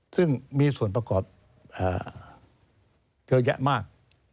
ซึ่งมีส่วนประกอบเยอะแยะมาก